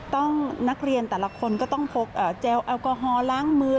นักเรียนแต่ละคนก็ต้องพกเจลแอลกอฮอลล้างมือ